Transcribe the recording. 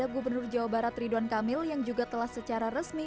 gubernur jawa barat ridwan kamil yang juga telah secara resmi